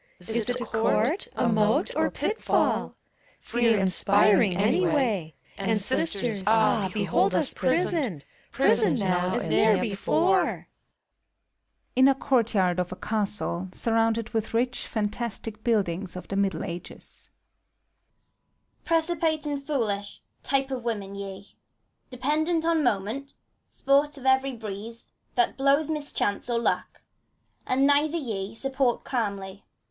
Is 't a court? a moat, or pitfaU? Fear inspiring, any way! and Sisters, ah, behold us prisoned, — Prisoned now, as ne'er before I (Inner court yard of a Cctstle, surrounded with riehf fantastic buildings of the Middle Ages,) LEADER OF THE CHORUS. Precipitate and foolish, type of women ye I Dependent on the moment, sport of every breeze That blows mischance or luck I and neither ever ye Supported calmly.